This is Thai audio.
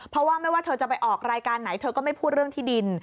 เพราะว่าไม่ว่าเธอจะไปออกรายการไหนเธอก็ไม่พูดเรื่องที่ดิน